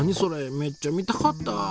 めっちゃ見たかった。